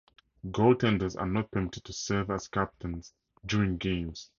Goaltenders are not permitted to serve as captains during games.